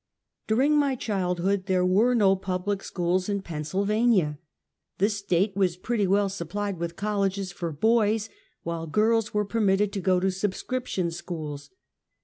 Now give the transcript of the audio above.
During my childhood there were no ^Dnblic schools iu Pennsylvania. The State was pretty well supplied with colleges for boys, while girls were jDermitted to go to subscription schools.